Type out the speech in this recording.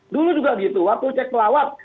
dulu juga gitu waktu cek pelawat